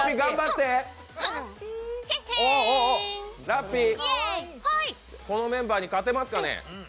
ラッピー、このメンバーに勝てますかね？